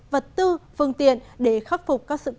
vật tư phương tiện để khắc phục các sự cố nếu có